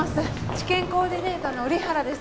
治験コーディネーターの折原です